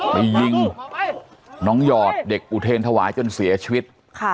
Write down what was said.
ไปยิงน้องหยอดเด็กอุเทรนธวายจนเสียชีวิต